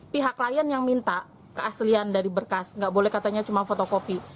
pihak klien yang minta keaslian dari berkas nggak boleh katanya cuma fotokopi